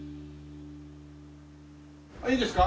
いいですか？